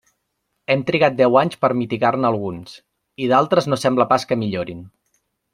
Hem trigat deu anys per a mitigar-ne alguns, i d'altres no sembla pas que millorin.